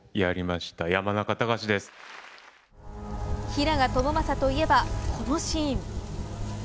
平賀朝雅といえばこのシーン。